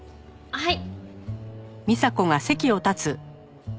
はい。